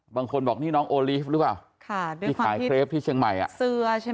บางคนบอกนี่น้องโอลีฟหรือเปล่าค่ะที่ขายเครปที่เชียงใหม่อ่ะเสื้อใช่ไหม